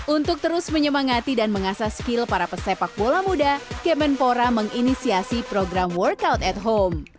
untuk terus menyemangati dan mengasah skill para pesepak bola muda kementerian pemuda dan olahraga menginisiasi program workout at home